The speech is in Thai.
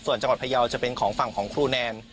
ส่วนจังหวัดพยาวจะเป็นของฝั่งของครูแนน